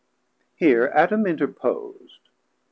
Here Adam interpos'd.